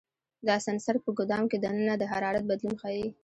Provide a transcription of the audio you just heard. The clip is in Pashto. دا سنسر په ګدام کې دننه د حرارت بدلون ښيي.